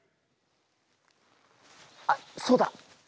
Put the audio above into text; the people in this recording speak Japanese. あっそうだ！